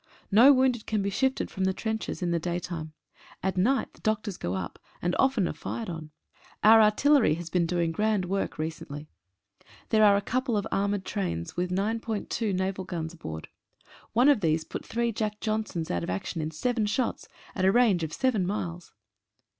No wounded can be shifted from the trenches in the day time. At night the doctors go up, and often are fired on. Our artillery has been doing grand work recently. There 15 AMBULANCE METHODS. are a couple of armoured trains with 9.2 naval guns aboard. One of these put three "Jack Johnsons" out of action in seven shots, at a range of seven miles.